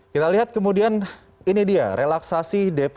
kita lihat kemudian ini dia relaksasi dpp